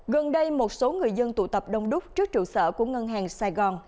gần đây một số người dân tụ tập đông đúc trước trụ sở của ngân hàng sài gòn